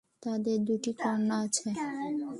তাদের দুটি কন্যা আছে।